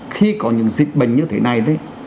khi có những diệt bệnh như thế này